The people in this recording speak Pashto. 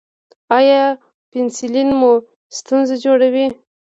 ایا پنسلین مو ستونزه جوړوي؟